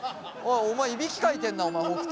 お前いびきかいてんなお前北斗。